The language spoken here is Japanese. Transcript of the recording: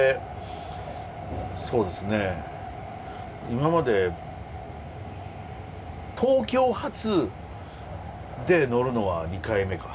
今まで東京発で乗るのは２回目か。